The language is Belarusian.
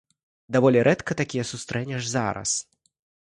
Даволі рэдка такія сустрэнеш зараз.